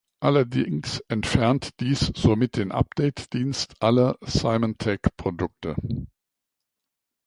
Allerdings entfernt dies somit den Update-Dienst aller Symantec-Produkte.